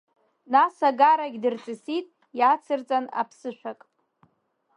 Нас агарагь дырҵысит, иацырҵан аԥсышәак.